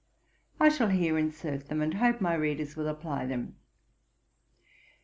I shall here insert them, and hope my readers will apply them.